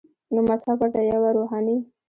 نو مذهب ورته یوه روحاني